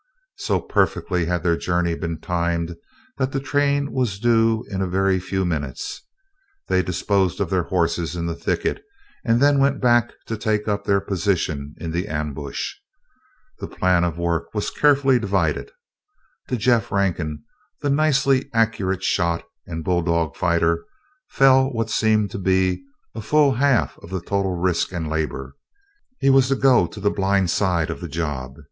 So perfectly had their journey been timed that the train was due in a very few minutes. They disposed their horses in the thicket, and then went back to take up their position in the ambush. The plan of work was carefully divided. To Jeff Rankin, that nicely accurate shot and bulldog fighter, fell what seemed to be a full half of the total risk and labor. He was to go to the blind side of the job.